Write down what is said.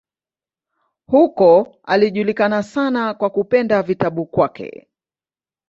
Huko alijulikana sana kwa kupenda vitabu kwake.